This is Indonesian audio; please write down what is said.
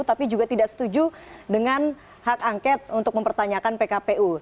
tapi juga tidak setuju dengan hak angket untuk mempertanyakan pkpu